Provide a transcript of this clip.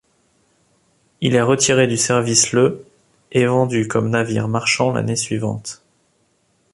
Il est retiré du service le et vendu comme navire marchand l'année suivante.